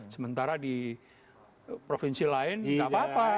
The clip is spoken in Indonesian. sementara di provinsi lain nggak apa apa